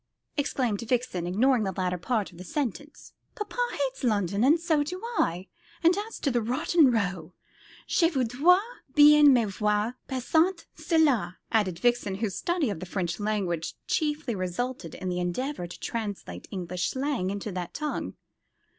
exclaimed Vixen, ignoring the latter part of the sentence. "Papa hates London, and so do I. And as to riding in Rotten Row, je voudrais bien me voir faisant cela," added Vixen, whose study of the French language chiefly resulted in the endeavour to translate English slang into that tongue.